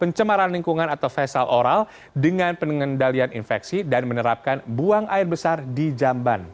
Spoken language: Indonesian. pencemaran lingkungan atau fesal oral dengan pengendalian infeksi dan menerapkan buang air besar di jamban